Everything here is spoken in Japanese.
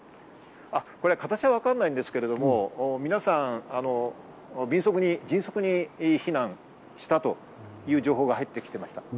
形はわからないんですけれども、皆さん迅速に避難したという情報が入ってきていました。